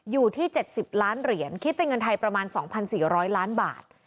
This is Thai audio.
อยู่ที่เจ็ดสิบล้านเหรียญคิดเป็นเงินไทยประมาณสองพันสี่ร้อยล้านบาท